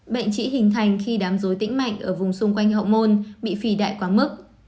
bệnh chỉ hình thành khi đám dối tĩnh mạch ở vùng xung quanh hậu môn bị phì đại quá mức